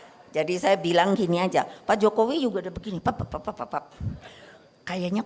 hai tersabar jadi saya bilang gini aja pak jokowi juga deh begini papa papa paisa kayanya ke jawa tengah